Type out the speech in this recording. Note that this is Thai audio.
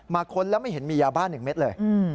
ค้นแล้วไม่เห็นมียาบ้าน๑เม็ดเลย